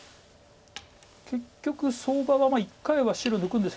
結局相場は１回は白抜くんですけど。